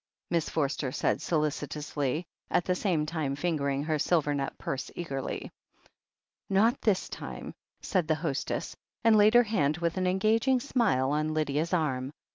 Miss Forster said solicitously, at the same time fingering her silver net purse eagerly. "Not this time," said the hostess, and laid her hand with an engaging smile on Lydia's arm.